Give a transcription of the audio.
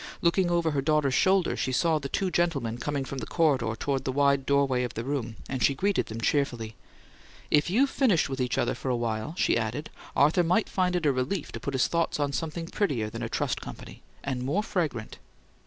Looking over her daughter's shoulder, she saw the two gentlemen coming from the corridor toward the wide doorway of the room; and she greeted them cheerfully. "If you've finished with each other for a while," she added, "Arthur may find it a relief to put his thoughts on something prettier than a trust company and more fragrant."